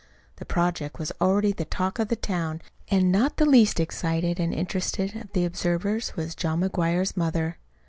The project was already the talk of the town, and not the least excited and interested of the observers was John McGuire's mother.